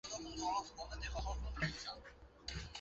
富兰克林镇区为位在美国阿肯色州卡洛尔县的镇区。